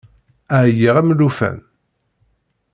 Ɛyiɣ am llufan.